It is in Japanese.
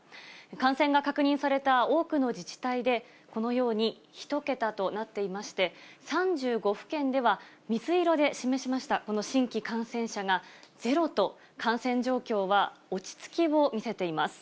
感染が確認された多くの自治体で、このように１桁となっていまして、３５府県では水色で示しました、この新規感染者がゼロと、感染状況は落ち着きを見せています。